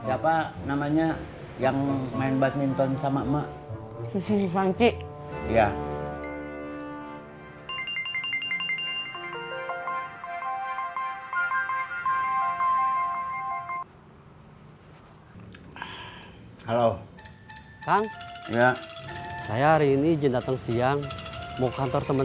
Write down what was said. apa namanya yang main badminton sama emak susun santi ya